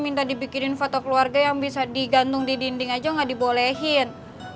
minta dibikinin foto keluarga yang bisa digantung di dinding aja nggak dibolehin